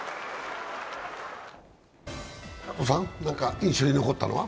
印象に残ったのは？